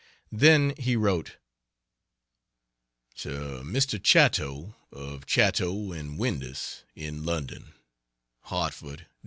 Then he wrote: To Mr. Chatto, of Chatto & Windus, in London: HARTFORD, Dec.